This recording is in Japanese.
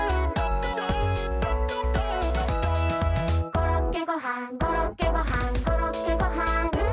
「コロッケごはんコロッケごはんコロッケごはん」